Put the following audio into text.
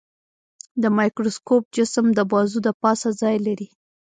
د مایکروسکوپ جسم د بازو د پاسه ځای لري.